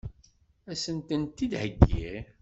Ad sent-ten-id-theggi?